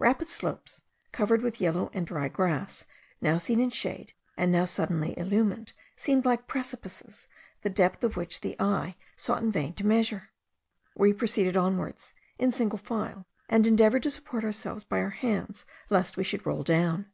Rapid slopes, covered with yellow and dry grass, now seen in shade, and now suddenly illumined, seemed like precipices, the depth of which the eye sought in vain to measure. We proceeded onwards, in single file, and endeavoured to support ourselves by our hands, lest we should roll down.